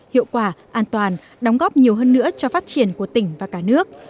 hiệu quả an toàn đóng góp nhiều hơn nữa cho phát triển của tỉnh và cả nước